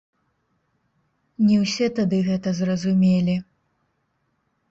Не ўсе тады гэта зразумелі.